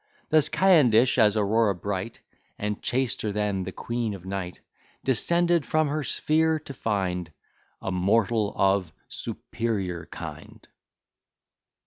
Thus Ca'endish, as Aurora bright, And chaster than the Queen of Night Descended from her sphere to find A mortal of superior kind.